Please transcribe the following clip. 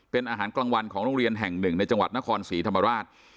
เป็นอาหารกลางวันของโรงเรียนแห่งหนึ่งในจังหวัดนครศรีธรรมราช